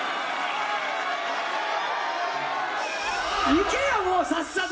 いけよもうさっさと！